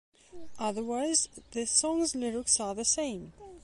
Otherwise, the song's lyrics are the same.